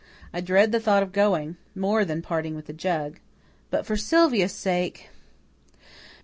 I dread the thought of going, more than parting with the jug. But for Sylvia's sake!"